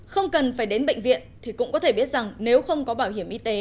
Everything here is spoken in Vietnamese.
không cần phải đến bệnh viện thì cũng có thể biết rằng nếu không có bảo hiểm y tế